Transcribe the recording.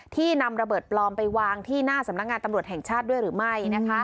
ที่นำระเบิดปลอมไปวางที่หน้าสำนักงานตำรวจแห่งชาติด้วยหรือไม่